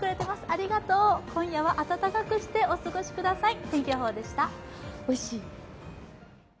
ありがとう、今夜は暖かくしてお過ごしください。